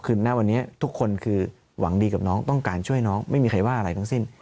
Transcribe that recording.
คือณวันนี้ทุกคนคือหวังดีกับน้องต้องการช่วยน้องไม่มีใครว่าอะไรทั้งสิ้น